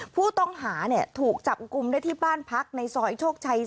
ผู้ต้องหาถูกจับกลุ่มได้ที่บ้านพักในซอยโชคชัย๔